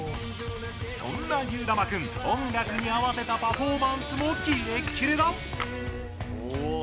そんな、ゆーだまくん音楽に合わせたパフォーマンスもキレキレだ。